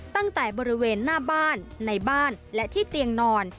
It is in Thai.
ตั้งแต่บริเวณหน้าบ้านในบ้านและที่เตียงนอน